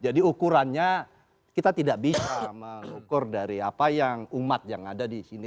jadi ukurannya kita tidak bisa mengukur dari apa yang umat yang ada di sini